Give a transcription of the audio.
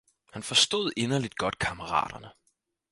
Han forstod inderligt godt kammeraterne